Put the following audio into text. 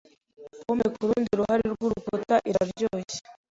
Pome kurundi ruhande rwurukuta iraryoshye.